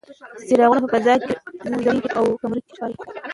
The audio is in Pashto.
څراغونه په فضا کې خپرېږي او په کمرو کې ښکاري.